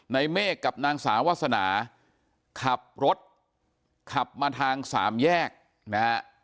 เมฆกับนางสาววาสนาขับรถขับมาทางสามแยกนะฮะ